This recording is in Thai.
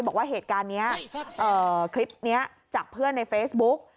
บอกว่าเหตุการณ์นี้คลิปนี้จากเพื่อนในเฟซบุ๊ก